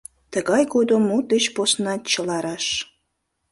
Тыгай годым мут деч поснат чыла раш.